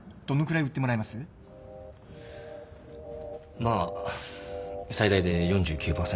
まあ最大で４９％。